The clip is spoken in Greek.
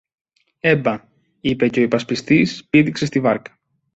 Έμπα, είπε, και ο υπασπιστής πήδηξε στη βάρκα.